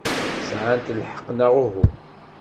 Sɛant lḥeqq, neɣ uhu?